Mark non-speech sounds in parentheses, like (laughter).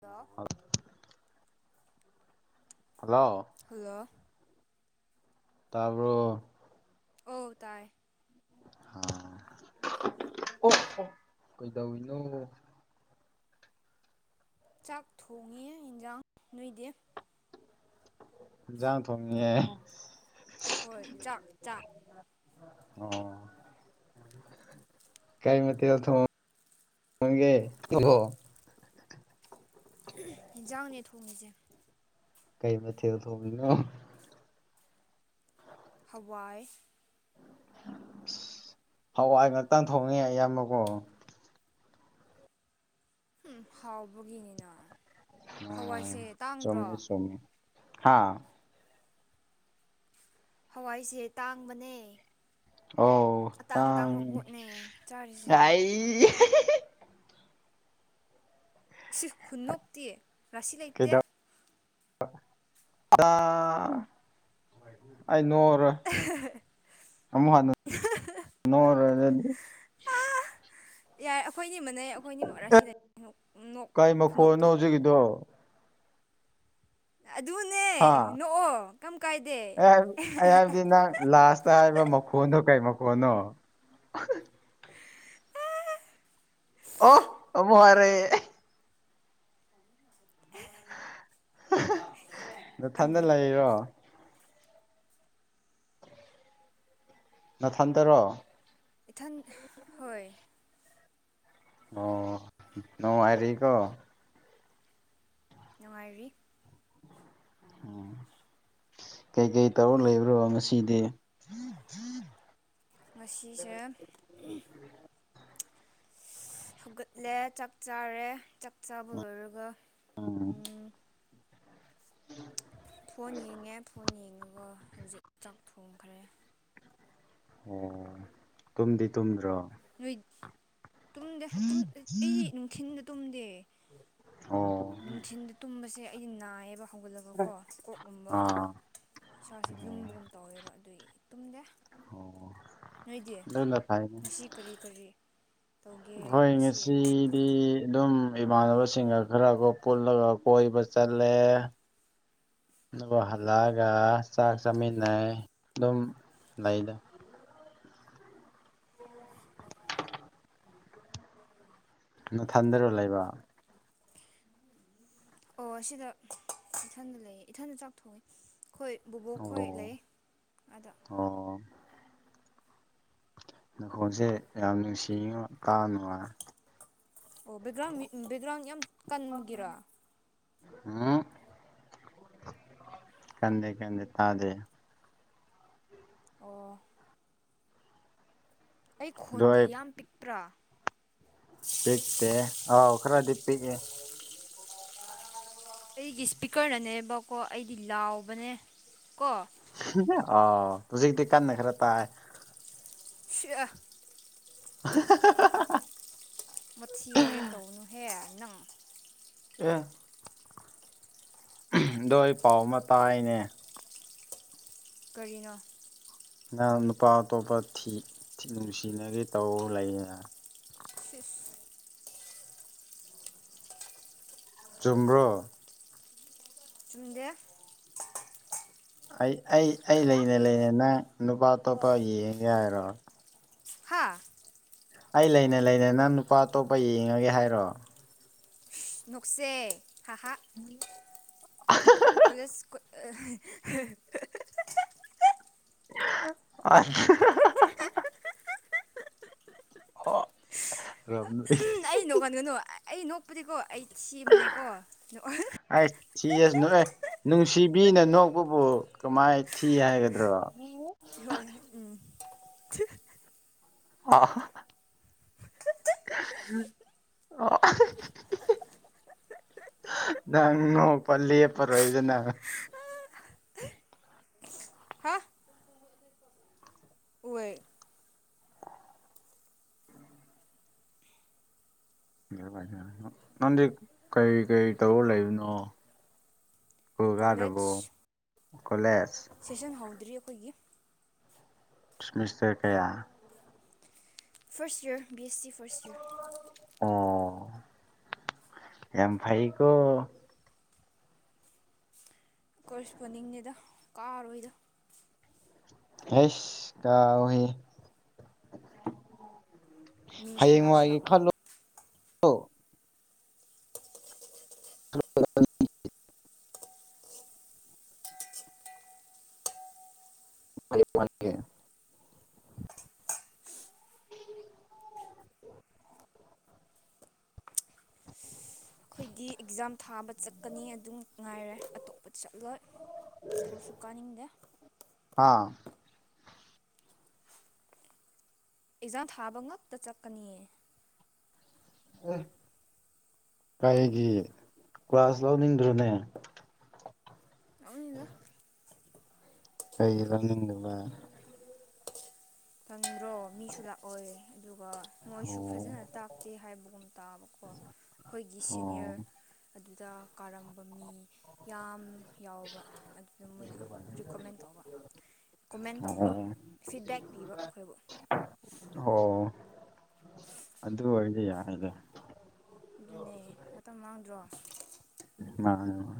hello (unintelligible) hello hello ꯇꯥꯔ꯭ꯕꯣ ꯑꯧ ꯇꯥꯏ ꯑꯣ ꯑꯣ ꯀꯩꯗꯧꯏꯅꯣ ꯆꯥꯛ ꯊꯣꯡꯉꯤꯌꯦ ꯍꯤꯟꯖꯥꯡ ꯅꯣꯏꯗꯤ ꯏꯟꯖꯥꯡ ꯊꯣꯡꯉꯤꯌꯦ ꯍꯣꯏ ꯆꯥꯛ ꯆꯥꯛ ꯑꯣ ꯀꯩ ꯃꯊꯦꯜ ꯊꯣꯡ ꯉꯒꯦ ꯍꯤꯟꯖꯥꯡꯅꯦ ꯊꯣꯡꯉꯤꯖꯦ ꯀꯩ ꯃꯊꯦꯜ ꯊꯣꯡꯉꯤꯅꯣ ꯍꯋꯥꯏ ꯍꯋꯥꯏ ꯉꯥꯛꯇꯪ ꯊꯣꯡꯉꯦ ꯑꯌꯥꯝꯕꯀꯣ ꯍꯨꯝ ꯍꯥꯎꯕꯒꯤꯅꯤꯅ ꯑꯣ ꯍꯋꯥꯏꯁꯦ ꯇꯥꯡꯗ꯭ꯔꯣ ꯆꯨꯝꯃꯤ ꯆꯨꯝꯃꯤ ꯍꯥꯥ ꯍꯋꯥꯏꯁꯦ ꯇꯥꯡꯕꯅꯦ ꯑꯣ ꯑꯇꯥꯡ ꯑꯇꯥꯡꯕ ꯄꯣꯠꯅꯦ ꯆꯥꯔꯤꯖꯦ ꯏ (unintelligible) ꯏꯁ ꯈꯨꯟꯅꯣꯛꯇꯤ ꯉꯁꯤ ꯂꯩꯇꯦ ꯑꯥ ꯑꯩ ꯅꯣꯛꯑꯔꯣꯏ ꯑꯃꯨꯛ ꯍꯟꯅ ꯅꯣꯛꯑꯔꯣꯏ ꯑꯗꯣꯏꯗꯤ ꯑꯥ ꯌꯥꯏ ꯑꯩꯈꯣꯏꯅꯤ ꯃꯟꯅꯩ ꯑꯩꯈꯣꯏꯅꯤꯃꯛ ꯔꯁꯤ ꯂꯩ ꯅꯣꯛ ꯅꯣꯛ ꯈꯨꯅꯣꯛꯇꯣ ꯗꯣ ꯑꯗꯨꯅꯦ ꯍꯥ ꯅꯣꯛꯑꯣ ꯀꯝ ꯀꯥꯏꯗꯦ ꯑꯩ ꯑꯩ ꯍꯥꯏꯕꯗꯤ ꯅꯪ ꯂꯥꯁꯇ ꯍꯥꯏꯕ ꯃꯈꯣꯟꯗꯣ ꯀꯩ ꯃꯈꯣꯟꯅꯣ ꯑꯣ ꯑꯃꯨꯛ ꯍꯥꯔꯛꯑꯦ ꯅꯊꯟꯗ ꯑꯟꯗ꯭ꯔꯣ ꯂꯩꯔꯤꯔꯣ ꯅꯊꯟꯇꯔꯣ ꯏꯊꯟ ꯍꯣꯏ ꯑꯣ ꯅꯣꯉꯥꯏꯔꯤꯀꯣ ꯅꯨꯡꯉꯥꯏꯔꯤ ꯎꯝ ꯀꯩꯀꯩ ꯇꯧꯔ ꯂꯩꯕ꯭ꯔꯣ ꯉꯁꯤꯗꯤ ꯉꯁꯤꯁꯦ ꯍꯧꯒꯠꯂꯦ ꯆꯥꯛ ꯆꯥꯔꯦ ꯆꯥꯛ ꯆꯥꯕ ꯂꯣꯏꯔꯒ ꯎꯝ (unintelligible) ꯐꯣꯟ ꯌꯦꯡꯉꯦ ꯐꯣꯟ ꯌꯦꯡꯉꯒ ꯍꯧꯖꯤꯛ ꯆꯥꯛ ꯊꯣꯡꯈ꯭ꯔꯦ ꯑꯣ ꯇꯨꯝꯗꯤ ꯇꯨꯝꯗ꯭ꯔꯣ ꯅꯣꯏ ꯇꯨꯝꯗꯦ ꯇꯨꯝꯇꯦ ꯑꯩꯗꯤ ꯅꯨ ꯊꯤꯟꯗ ꯇꯨꯝꯗꯦ ꯑꯣ ꯅꯨꯡꯊꯤꯟꯗ ꯇꯨꯝꯕꯁꯦ ꯑꯩꯗꯤ ꯅꯥꯏꯌꯦꯕ ꯍꯧꯒꯠꯂꯒꯀꯣ ꯀꯣꯛꯀꯨꯝꯕ ꯑꯥ ꯏꯁꯥꯁꯦ ꯂꯨꯝꯕꯒꯨꯝ ꯇꯧꯋꯦꯕ ꯑꯗꯨꯗꯤ ꯇꯨꯝꯗꯦ ꯑꯣ ꯅꯣꯏꯗꯤ ꯑꯗꯨꯅ ꯐꯩꯅꯦ ꯉꯁꯤ ꯀꯔꯤ ꯀꯔꯤ ꯍꯣꯏ ꯉꯁꯤ ꯗꯤ ꯑꯗꯨꯝ ꯏꯃꯥꯟꯅꯕꯁꯤꯡꯒ ꯈꯔꯒꯣ ꯀꯨꯜꯂꯒ ꯀꯣꯏꯕ ꯆꯠꯂꯦ (inaudible) ꯑꯗꯨꯒ ꯍꯜꯂꯛꯑꯒ ꯆꯥꯛ ꯆꯥꯃꯤꯟꯅꯩ ꯑꯗꯨꯝ ꯂꯩꯗ ꯊꯟꯗꯔꯣ ꯂꯩꯕ ꯑꯣ ꯑꯁꯤꯗ ꯏꯊꯟꯗ ꯂꯩꯌꯦ ꯏꯊꯟꯗ ꯆꯥꯛꯊꯣꯡꯉꯤ ꯈꯣꯏ ꯕꯣꯕꯣꯛ ꯈꯣꯏ ꯑꯣ ꯂꯩ ꯑꯗ ꯑꯣ ꯅꯈꯣꯟꯜꯁꯦ ꯌꯥꯝ ꯅꯨꯡꯁꯤꯉꯣ ꯇꯥ ꯅꯨꯡꯉꯥꯏ ꯑꯣ ꯕꯦꯛꯒ꯭ꯔꯥꯎꯟ ꯃꯤꯛ ꯎꯝ ꯕꯦꯛꯒ꯭ꯔꯥꯎꯟ ꯌꯥꯝ ꯀꯟꯒꯤꯔꯥ ꯎꯝ ꯀꯗꯦ ꯀꯗꯦ ꯇꯥꯗꯦ ꯑꯣ ꯑꯩ ꯂꯣꯏ ꯈꯣꯟꯗꯤ ꯌꯥꯝ ꯄꯤꯛꯄ꯭ꯔꯥ ꯄꯤꯛꯇꯦ ꯑꯣ ꯈ꯭ꯔꯗꯤ ꯄꯤꯛꯑꯦ ꯑꯩꯒꯤ ꯏꯁꯄꯤꯀꯔꯅꯅꯦꯕꯀꯣ ꯑꯩꯗꯤ ꯂꯥꯎꯕꯅꯦ ꯀꯣ ꯑꯣ ꯍꯧꯖꯤꯛꯇꯤ ꯀꯟꯅ ꯈꯔ ꯇꯥꯏ ꯁꯤꯑ (unintelligible) ꯃꯊꯤ ꯋꯥꯔꯦꯝ ꯇꯧꯕꯅꯨꯍꯦ ꯅꯪ ꯑꯦ ꯑꯗꯣ ꯑꯩ ꯄꯥꯎ ꯑꯃ ꯇꯥꯏꯅꯦ ꯀꯔꯤꯅꯣ ꯅꯪ ꯅꯨꯄꯥ ꯑꯇꯣꯞꯄ ꯊꯤ ꯊꯤ ꯅꯨꯡꯁꯤꯅꯔꯦ ꯇꯧ ꯂꯩꯌꯦꯅꯦ ꯁꯤꯁ ꯆꯨꯝꯕ꯭ꯔꯣ ꯆꯨꯝꯗꯦ ꯑꯩ ꯑꯩ ꯑꯩ ꯂꯩꯅ ꯂꯩꯅ ꯅꯪ ꯅꯨꯄꯥ ꯑꯇꯣꯞꯄ ꯌꯦꯡꯉꯦ ꯍꯥꯏꯔꯣ ꯍꯥꯥ ꯑꯩ ꯂꯩꯅ ꯂꯩꯅ ꯅꯪ ꯅꯨꯄꯥ ꯑꯇꯣꯞꯄ ꯌꯦꯡꯉꯒꯦ ꯍꯥꯏꯔꯣ ꯅꯣꯛꯁꯦ ꯍꯍꯥ ꯀꯣꯂꯦꯖ ꯀ (unintelligible) (unintelligible) ꯍꫭ ꯔꯝꯅꯤ ꯑꯩ ꯅꯣꯛꯍꯟꯒꯅꯨ ꯑꯩ ꯅꯣꯛꯄꯗꯤꯀꯣ ꯑꯩ ꯊꯤꯕꯅꯦꯀꯣ ꯅꫭꯛꯍꯟ ꯊꯤꯌꯦꯁ ꯅꯣꯏ ꯅꯨꯡꯁꯤꯕꯤꯅ ꯅꯣꯛꯕꯕꯨ ꯀꯃꯥꯏ ꯊꯤ ꯍꯥꯏꯒꯗ꯭ꯔꯣ ꯍꯣꯏ ꯍꫭꯏ ꯎꯝ (unintelligible) (unintelligible) ꯅꯪ ꯅꫭꯛꯄ ꯂꯤꯞꯄꯔꫭꯏ ꯗꯅ ꯍꯥ ꯑꯣꯏ (unintelligible) ꯅꯪꯗꯤ ꯀꯩ ꯀꯩ ꯇꯧꯔ ꯂꯩꯕꯅꯣ ꯁ꯭ꯀꯨꯜ ꯀꯣꯂꯦꯖ ꯀꯗ꯭ꯔꯕꫭ ꯀꯣꯂꯦꯖ ꯁꯦꯁꯟ ꯍꯧꯗ꯭ꯔꯤ ꯑꯩꯈꯣꯏꯒꯤ ꯁꯃꯤꯁꯇꯔ ꯀꯌꯥ ꯐꯔꯁꯠ ꯏꯌꯔ ꯕꯤ ꯑꯦ ꯁꯤ ꯐꯔꯁꯠ ꯏꯌꯔ ꯑꯣ ꯌꯥꯝꯐꯩꯀꯣ ꯀꯣꯔꯦꯁ ꯄꯣꯅꯤꯡꯅꯤꯗ ꯀꯥꯔꯣꯏꯗ ꯍꯥꯏꯁ ꯀꯥꯎꯍꯦ ꯃꯤꯁꯨ ꯂꯥꯛꯁꯨ ꯂꯥꯛꯂꯔꯣꯏ (unintelligible) (unintelligible) ꯑꯩꯈꯣꯏꯒꯤ ꯑꯦꯛꯖꯥꯝ ꯊꯥꯕ ꯆꯠꯀꯅꯤ ꯑꯗꯨꯝ ꯉꯥꯏꯔꯦ ꯑꯇꯣꯞꯄ ꯆꯠꯂꯣꯏ ꯏꯁ꯭ꯀꯨꯜꯁꯨ ꯀꯥꯅꯤꯡꯗꯦ ꯍꯥꯥ ꯑꯦꯛꯖꯥꯝ ꯊꯥꯕ ꯉꯛꯇ ꯆꯠꯀꯅꯤꯌꯦ ꯀꯩꯒꯤ ꯀ꯭ꯂꯥꯁ ꯂꯧꯅꯤꯡꯗ꯭ꯔꯣꯅꯦ ꯂꯧꯅꯤꯡꯗꯦꯗ ꯀꯩꯒꯤ ꯂꯧꯅꯤꯡꯗꯕ ꯇꯪꯗ꯭ꯔꯣ ꯃꯤꯁꯨ ꯂꯥꯛꯑꯣꯏ ꯑꯗꯨꯒ ꯃꯣꯏꯁꯨ ꯑꯣ ꯐꯖꯅ ꯇꯥꯛ ꯇꯦ ꯍꯥꯏꯕꯒꯨꯝ ꯇꯥꯕꯀꯣ ꯑꯩꯈꯣꯏꯒꯤ ꯑꯣ ꯁꯤꯅꯤꯌꯔ ꯑꯗꯨꯗ ꯀꯥꯔꯝꯕ ꯃꯤ ꯌꯥꯝ ꯌꯥꯎꯕ ꯑꯗꯨꯗ ꯃꯣꯏꯅ ꯔꯤꯀꯣꯃꯦꯟ ꯇꯧꯕ ꯀꯣꯃꯦꯟ ꯇꯝꯕ ꯑꯣ ꯐꯤꯠꯕꯦꯛ ꯄꯤꯕ ꯑꯩꯈꯣꯏꯕꯨ ꯑꯣ ꯑꯗꯨ ꯑꯣꯏꯔꯗꯤ ꯌꯥꯏꯗ ꯑꯗꯨꯅꯦ ꯃꯇꯝ ꯃꯥꯡꯗ꯭ꯔꯣ ꯃꯥꯅꯦ ꯃꯥꯅꯦ